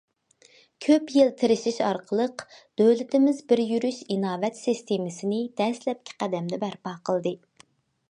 كۆپ يىل تىرىشىش ئارقىلىق، دۆلىتىمىز بىر يۈرۈش ئىناۋەت سىستېمىسىنى دەسلەپكى قەدەمدە بەرپا قىلدى.